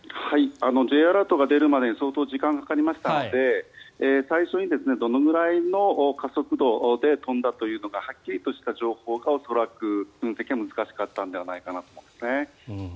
Ｊアラートが出るまでに相当時間がかかりましたので最初にどのぐらいの加速度で飛んだというのがはっきりとした情報が恐らく分析が難しかったんじゃないかなと思います。